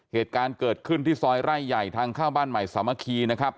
เหตุการณ์เกิดขึ้นที่ซอยไร่ใหญ่ทางเข้าบ้านใหม่สามัคคีนะครับ